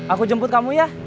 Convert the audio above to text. aku jemput kamu ya